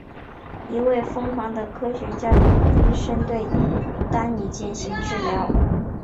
一位疯狂的科学家鲁本医生对丹尼进行治疗。